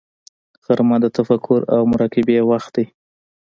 غرمه د تفکر او مراقبې وخت دی